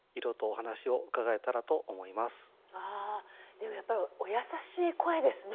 でもやっぱりお優しい声ですね。